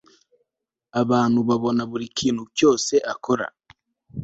abantu babona buri kintu cyose akora